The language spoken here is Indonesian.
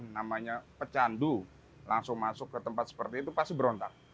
namanya pecandu langsung masuk ke tempat seperti itu pasti berontak